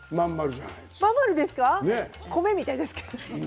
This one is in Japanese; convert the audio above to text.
米みたいですけれど。